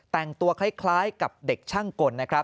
แต่งตัวคล้ายกับเด็กช่างกล